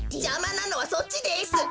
じゃまなのはそっちです！